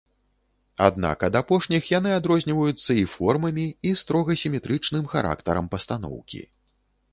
Аднак ад апошніх яны адрозніваюцца і формамі, і строга сіметрычным характарам пастаноўкі.